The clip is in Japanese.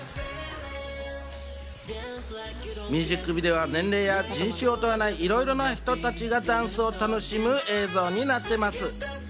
ミュージックビデオは年齢や人種を問わない、いろいろな人たちがダンスを楽しむ映像になっています。